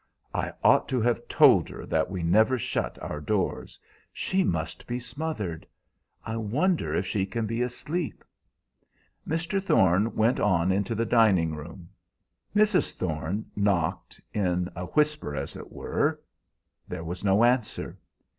"I ought to have told her that we never shut our doors. She must be smothered. I wonder if she can be asleep." Mr. Thorne went on into the dining room. Mrs. Thorne knocked, in a whisper as it were. There was no answer.